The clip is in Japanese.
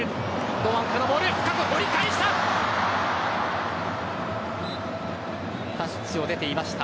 堂安からのボール深く折り返した。